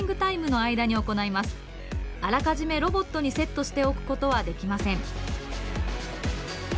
あらかじめロボットにセットしておくことはできません。